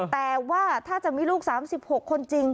แต่ว่าถ้าจะมีลูก๓๖คนจริง